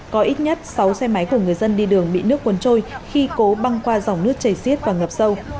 có ít nhất sáu xe máy của người dân đi đường bị nước cuốn trôi khi cố băng qua dòng nước chảy xiết và ngập sâu